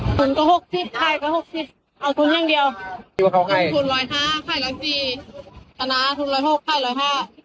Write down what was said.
สุดท้ายก็หกสิบเอาทุนแห้งเดียวทุน๑๐๕ไข่ลักษีศาลาทุน๑๐๕